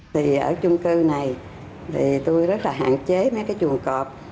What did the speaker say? thì ở chung cư này thì tôi rất là hạn chế mấy cái chuồng cọp